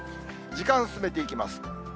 時間進めていきます。